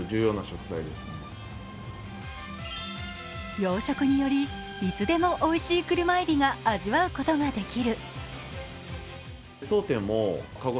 養殖によりいつでもおいしい車えびが味わうことができる。